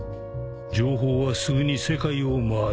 情報はすぐに世界を回る。